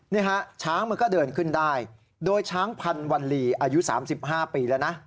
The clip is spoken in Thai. นี่ฮะช้างมันก็เดินขึ้นได้โดยช้างพันวันลีอายุ๓๕ปีแล้วนะ